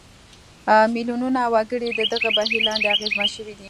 میلیونونه وګړي د دغه بهیر لاندې اغېزمن شوي دي.